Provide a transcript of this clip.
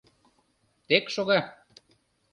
— Тек шога.